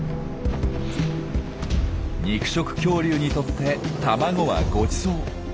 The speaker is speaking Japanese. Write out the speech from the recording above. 肉食恐竜にとって卵はごちそう。